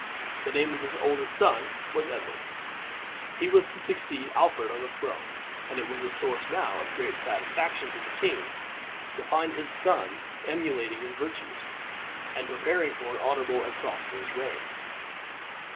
The name of his oldest son was Edward; he was to succeed Alfred on the throne, and it was a source now of great satisfaction to the king to find this son emulating his virtues, and preparing for an honorable and prosperous reign.